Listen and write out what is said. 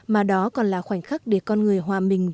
mà đó còn là khoảnh khắc để con người hòa mình vào chủ đề